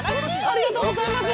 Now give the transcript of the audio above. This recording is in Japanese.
ありがとうございます。